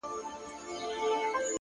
نظم د لویو ارمانونو ساتونکی دی